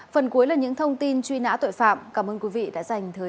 phần cuối là những thông tin truy nã tội phạm cảm ơn quý vị đã dành thời gian